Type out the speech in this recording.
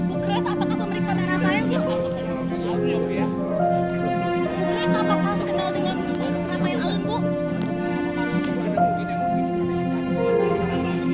bu keras apakah berkenal dengan nama yang alam bu